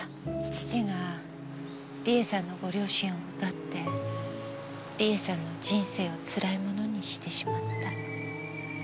父が理恵さんのご両親を奪って理恵さんの人生をつらいものにしてしまった。